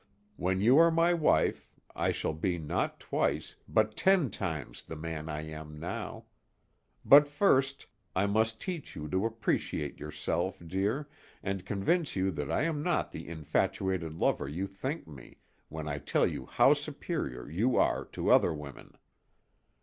When you are my wife, I shall be not twice, but ten times the man I am now. But first, I must teach you to appreciate yourself, dear, and convince you that I am not the infatuated lover you think me, when I tell you how superior you are to other women.